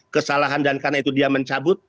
kesalahan dan karena itu dia mencabut